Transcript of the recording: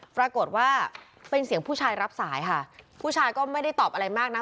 ปรากฏว่าเป็นเสียงผู้ชายรับสายค่ะผู้ชายก็ไม่ได้ตอบอะไรมากนะ